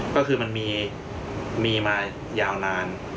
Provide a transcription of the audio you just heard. ก็คือมันมีมายาวนาน